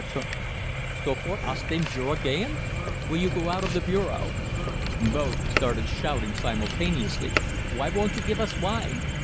"Sofort aus dem Bureau gehen?" (Will you go out of the bureau?) Both start shouting simultaneously: "Why won't you give us wine?"